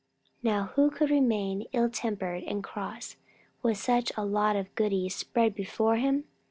Now who could remain ill tempered and cross with such a lot of goodies spread before him?